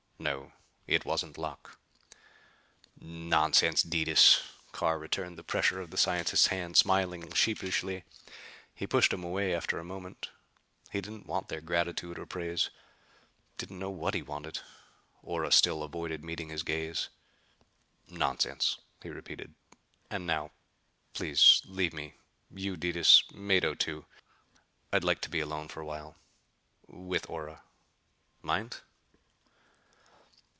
No, it wasn't luck." "Nonsense, Detis." Carr returned the pressure of the scientist's hand, smiling sheepishly. He pushed him away after a moment. He didn't want their gratitude or praise. Didn't know what he wanted. Ora still avoided meeting his gaze. "Nonsense," he repeated. "And now, please leave me. You, Detis. Mado, too. I'd like to be alone for a while with Ora. Mind?"